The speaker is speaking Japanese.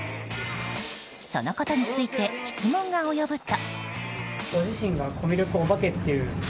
そのことについて質問が及ぶと。